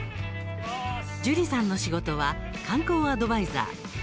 ジュリさんの仕事は観光アドバイザー。